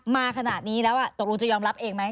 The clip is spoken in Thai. มาขนาดนี้แล้วตกลงจะยอมรับเองไหม